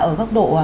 ở góc độ